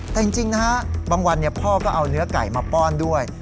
แต่จริงนะฮะบางวันพ่อก็เอาเนื้อไก่มาป้อนด้วย